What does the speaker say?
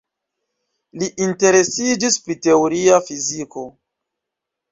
Li interesiĝis pri teoria fiziko.